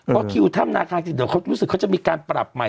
เพราะคิวถ้ำนาคาจริงเดี๋ยวเขารู้สึกเขาจะมีการปรับใหม่